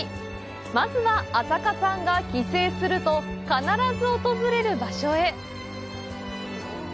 まずは、朝加さんが帰省すると必ず訪れる場所へ。